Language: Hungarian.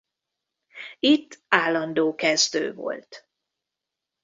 Itt állandó kezdő volt.